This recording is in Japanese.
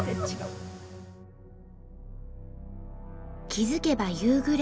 気付けば夕暮れ。